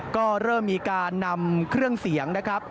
ก็เริ่มมีการนำเครื่องเสียงนะครับ